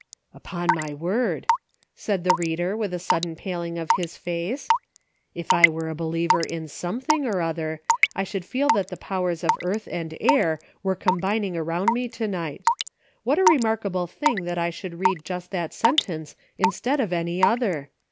" Upon my word," said the reader, with a sud den paling of his face, "if I were a believer in CIRCLES WITHIN CIRCLES. 31$ something or other, I should feel that the powers of earth and air were combining around me to night. What a remarkable thing that I should read just that sentence instead of any other!